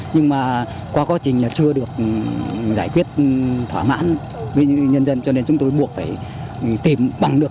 nhưng mà qua quá trình là chưa được giải quyết thỏa mãn với nhân dân cho nên chúng tôi buộc phải tìm bằng được